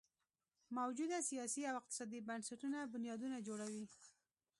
موجوده سیاسي او اقتصادي بنسټونه بنیادونه جوړوي.